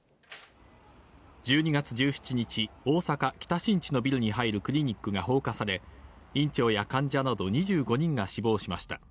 １２月１７日、大阪・北新地のビルに入るクリニックが放火され、院長や患者など２５人が死亡しました。